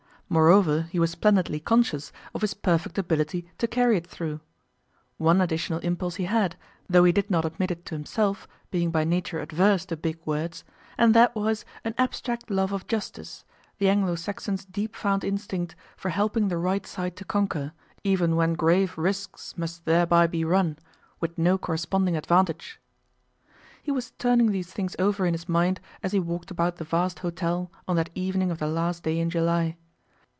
Moreover, he was splendidly conscious of his perfect ability to carry it through. One additional impulse he had, though he did not admit it to himself, being by nature adverse to big words, and that was an abstract love of justice, the Anglo Saxon's deep found instinct for helping the right side to conquer, even when grave risks must thereby be run, with no corresponding advantage. He was turning these things over in his mind as he walked about the vast hotel on that evening of the last day in July.